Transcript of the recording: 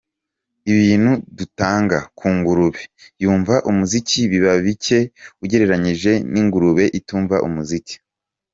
Ibintu dutanga ku ngurube yumva umuziki biba bicye ugereranyije n'ingurube itumva umuziki.